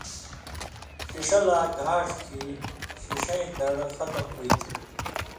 ݜِݜہ لا گھاݜ کھیں ݜِݜَیں دڑ ختم ہوتھی۔